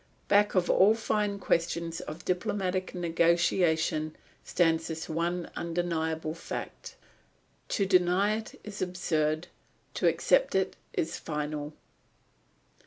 Back of all fine questions of diplomatic negotiation stands this one undeniable fact. To deny it is absurd; to accept it is final.